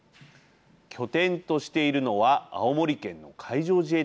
拠点としているのは青森県の海上自衛隊の基地。